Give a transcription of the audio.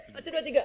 satu dua tiga